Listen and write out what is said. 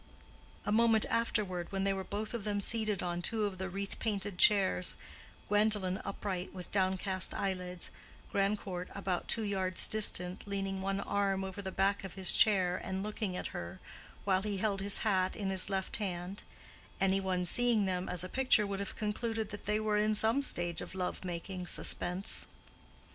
A moment afterward, when they were both of them seated on two of the wreath painted chairs—Gwendolen upright with downcast eyelids, Grandcourt about two yards distant, leaning one arm over the back of his chair and looking at her, while he held his hat in his left hand—any one seeing them as a picture would have concluded that they were in some stage of love making suspense.